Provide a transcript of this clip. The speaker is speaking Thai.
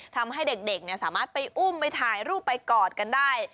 ทำให้เด็กสามารถไปอุ้มไปถ่ายรูปไปกอดกันได้